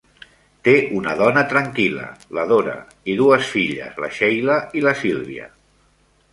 Té una dona tranquil·la, la Dora, i dues filles, la Sheila i la Sylvia.